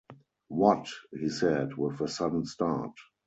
‘What!’ he said, with a sudden start.